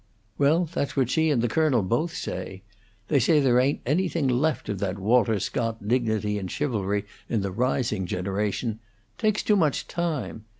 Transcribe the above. "Well, that's what she and the colonel both say. They say there ain't anything left of that Walter Scott dignity and chivalry in the rising generation; takes too much time.